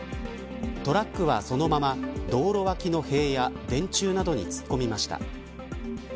トラックはそのまま道路脇の塀や電柱などに突っ込みました。